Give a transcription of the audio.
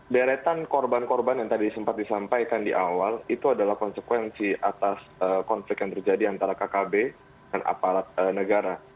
deretan korban korban yang tadi sempat disampaikan di awal itu adalah konsekuensi atas konflik yang terjadi antara kkb dan aparat negara